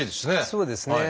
そうですね。